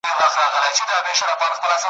مکث کوه که جمله وا یې که کتاب